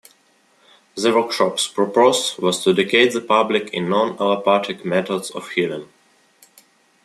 The workshop's purpose was to educate the public in non-allopathic methods of healing.